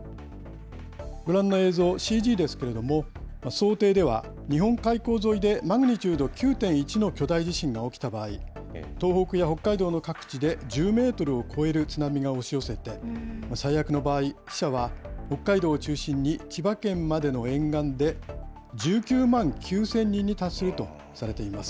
ご覧の映像、ＣＧですけれども、想定では日本海溝沿いでマグニチュード９．１の巨大地震が起きた場合、東北や北海道の各地で１０メートルを超える津波が押し寄せて、最悪の場合、死者は北海道を中心に千葉県までの沿岸で、１９万９０００人に達するとされています。